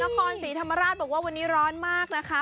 นครศรีธรรมราชบอกว่าวันนี้ร้อนมากนะคะ